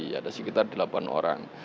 ada sekitar delapan orang